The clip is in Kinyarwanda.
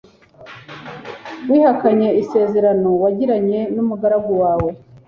wihakanye isezerano wagiranye n’umugaragu wawe